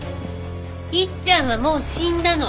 いっちゃんはもう死んだの。